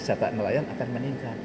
kesejahteraan nelayan akan meningkat